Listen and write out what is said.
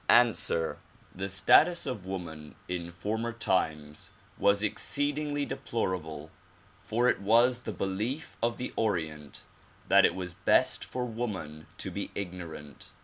Anstver : The status of woman in former times was exceedingly deplorable for it was the belief of the Orient that it was best for woman to be ignorant.